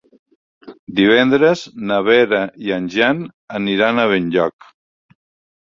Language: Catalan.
Divendres na Vera i en Jan aniran a Benlloc.